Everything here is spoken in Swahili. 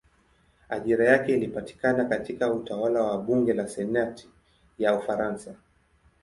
Ajira yake ilipatikana katika utawala wa bunge la senati ya Ufaransa.